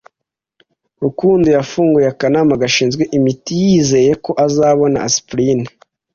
Rukundo yafunguye akanama gashinzwe imiti yizeye ko azabona aspirine.